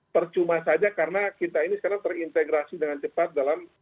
percuma saja karena kita ini sekarang terintegrasi dengan cepat dalam